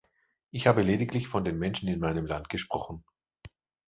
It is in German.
Ich habe lediglich von den Menschen in meinem Land gesprochen.